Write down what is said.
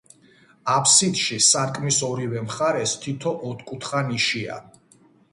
აფსიდში, სარკმლის ორივე მხარეს, თითო ოთკუთხა ნიშია.